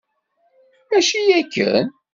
Mačči akken!